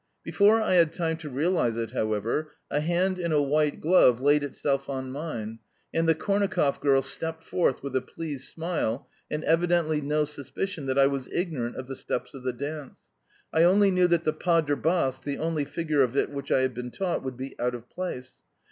Before I had time to realise it, however, a hand in a white glove laid itself on mine, and the Kornakoff girl stepped forth with a pleased smile and evidently no suspicion that I was ignorant of the steps of the dance. I only knew that the pas de Basques (the only figure of it which I had been taught) would be out of place.